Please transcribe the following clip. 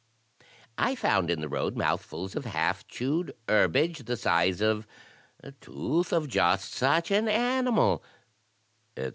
"I found in the road mouthfuls of half chewed herbage the size of a tooth of just such an animal," etc.